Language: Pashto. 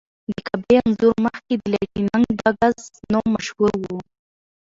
د کعبې انځور مخکې د لایټننګ بګز نوم مشهور و.